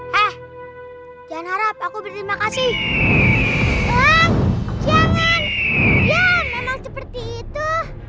hai ah jangan harap aku berterima kasih ah jangan ya memang seperti itu